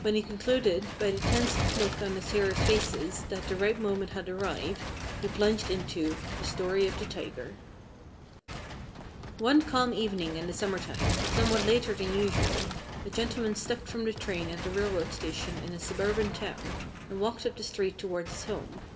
When he concluded by the tense look on his hearers' faces that the right moment had arrived, he plunged into THE STORY OF THE TIGER "One calm evening in the summertime, somewhat later than usual, a gentleman stepped from the train at a railroad station in a suburban town and walked up the street toward his home.